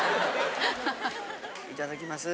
いただきます。